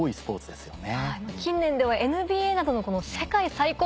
ですよね。